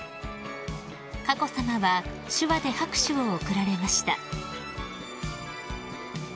［佳子さまは手話で拍手を送られました］